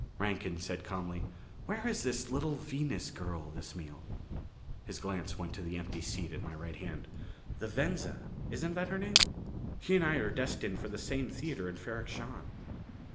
Rankin said calmly: "Where is the little Venus girl this meal?" His glance went to the empty seat at my right hand. "The Venza, isn't that her name? She and I are destined for the same theater in Ferrok Shahn."